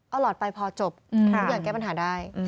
เอาหลอดไปพอจบทุกอย่างแก้ปัญหาได้